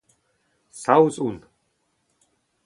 Saoz on.